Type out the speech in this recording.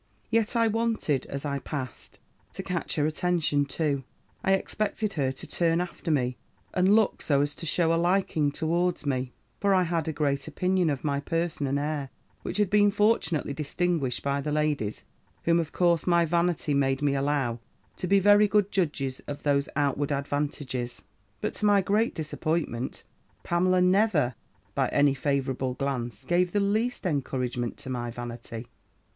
"Yet I wanted, as I passed, to catch her attention too: I expected her to turn after me, and look so as to shew a liking towards me; for I had a great opinion of my person and air, which had been fortunately distinguished by the ladies, whom, of course, my vanity made me allow to be very good judges of these outward advantages. "But to my great disappointment, Pamela never, by any favourable glance, gave the least encouragement to my vanity.